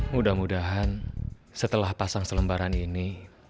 mudah mudahan setelah pasang selembaran ini